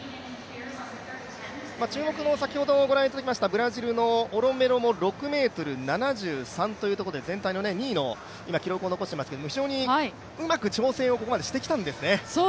注目のブラジルのオロメロも６ｍ７３というところで全体の２位の記録を今、残していますけど非常にうまく調整をここまでしてきたんですね。